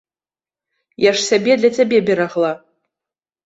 Я ж сябе для цябе берагла.